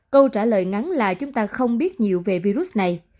câu trả lời ngắn là chúng ta không biết nhiều về virus này